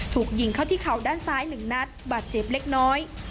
ถูกยิงเข้าที่เข่าด้านซ้าย๑นัดบาดเจ็บเล็กน้อย